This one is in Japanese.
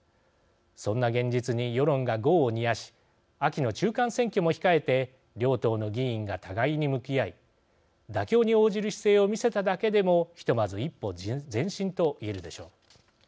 そんな現実に世論が業を煮やし秋の中間選挙も控えて両党の議員が互いに向き合い妥協に応じる姿勢を見せただけでも、ひとまず一歩前進と言えるでしょう。